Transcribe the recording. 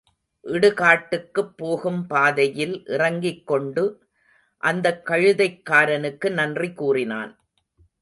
இடுகாட்டுக்குப் போகும் பாதையில் இறங்கிக் கொண்டு அந்தக் கழுதைக் காரனுக்கு நன்றி கூறினான்.